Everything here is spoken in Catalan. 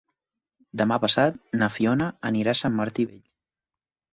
Demà passat na Fiona anirà a Sant Martí Vell.